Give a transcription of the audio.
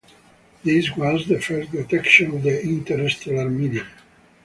This was the first detection of the interstellar medium.